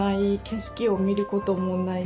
景色を見ることもない。